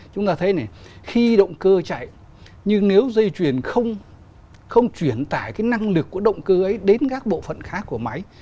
chúng ta thấy này khi động cơ chạy nhưng nếu dây chuyền không chuyển tải cái năng lực của động cơ ấy đến các bộ phận khác của máy